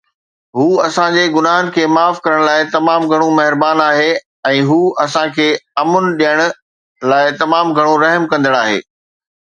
هو اسان جي گناهن کي معاف ڪرڻ لاء تمام گهڻو مهربان آهي، ۽ هو اسان کي امن ڏيڻ لاء تمام گهڻو رحم ڪندڙ آهي